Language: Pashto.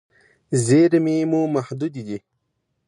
زیرمې مو محدودې دي.